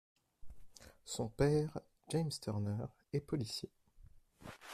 Son père, James Turner, est policier.